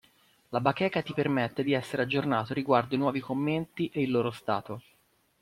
La bacheca ti permette di essere aggiornato riguardo i nuovi commenti e il loro stato.